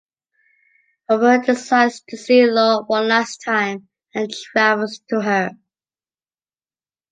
Robert decides to see Lore one last time and travels to her.